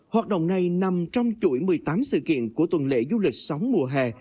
hoạt động này nằm trong chuỗi một mươi tám sự kiện của tuần lễ du lịch sóng mùa hè